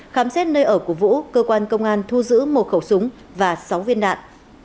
khám xét nơi ở của vũ cơ quan công an thu giữ một khẩu súng và sáu viên đạn